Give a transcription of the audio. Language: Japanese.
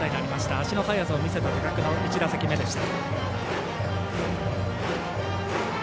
足の速さを見せた、高久の１打席目でした。